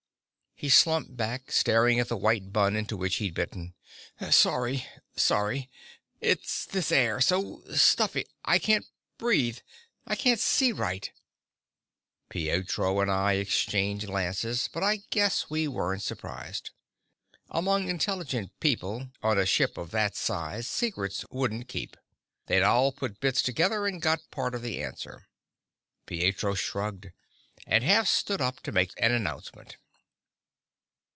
He slumped back, staring at the white bun into which he'd bitten. "Sorry. Sorry. It's this air so stuffy. I can't breathe. I can't see right " Pietro and I exchanged glances, but I guess we weren't surprised. Among intelligent people on a ship of that size, secrets wouldn't keep. They'd all put bits together and got part of the answer. Pietro shrugged, and half stood up to make an announcement.